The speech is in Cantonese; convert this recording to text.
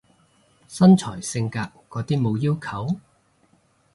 身材性格嗰啲冇要求？